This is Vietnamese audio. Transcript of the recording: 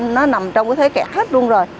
nó nằm trong cái thế kẻ hết luôn rồi